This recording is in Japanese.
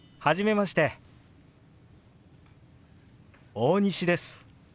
大西です。